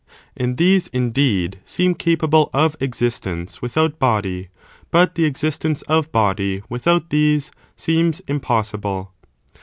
And these, indeed, seem capable of existence with out body ; but the existence of body, without these, seems impossible.